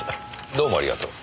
どうもありがとう。